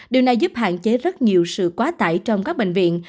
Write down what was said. điều này giúp hạn chế rất nhiều sự quá tải trong các bệnh viện